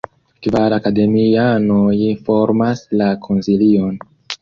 Kvar akademianoj formas la konsilion.